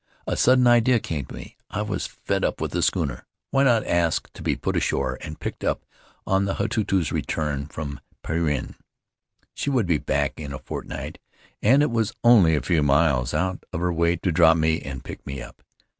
A sudden idea came to me. I was fed up with the schooner. Why not ask to be put ashore and picked up on the TLatutvUs return from Penrhyn? She would be back in a fortnight, and it was only a few miles out of her way to drop me and pick me up.